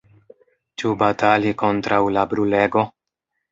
Ĉu batali kontraŭ la brulego?